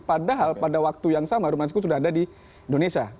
padahal pada waktu yang sama harun masiku sudah ada di indonesia